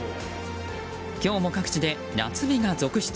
今日も各地で夏日が続出。